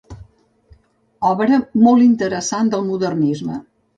Obra molt interessant del modernisme.